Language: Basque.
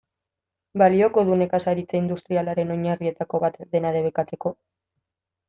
Balioko du nekazaritza industrialaren oinarrietako bat dena debekatzeko?